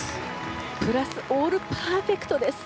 プラスオールパーフェクトです。